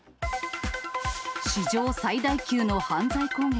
史上最大級の犯罪攻撃。